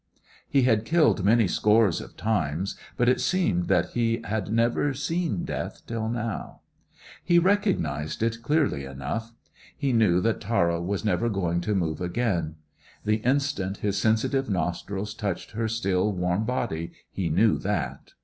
He had killed many scores of times, but it seemed that he had never seen death till now. He recognized it clearly enough. He knew that Tara was never going to move again; the instant his sensitive nostrils touched her still, warm body he knew that.